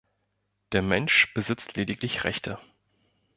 Der Mensch besitzt lediglich Rechte.